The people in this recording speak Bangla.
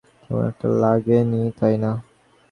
তেমন একটা লাগেনি, তাই না?